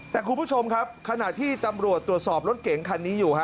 แต่คุณผู้ชมครับขณะที่ตำรวจตรวจสอบรถเก๋งคันนี้อยู่ฮะ